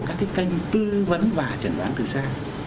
các cái kênh tư vấn và chẩn đoán từ xa